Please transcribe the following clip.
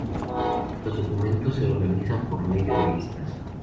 Los documentos se organizan por medio de vistas.